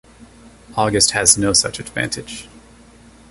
August has no such advantage.